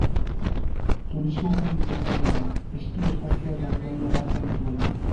Turismo gune inportantea da, eski estazioa eta animalia parkea dituela.